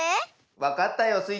わかったよスイ